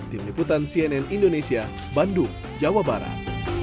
tim liputan cnn indonesia bandung jawa barat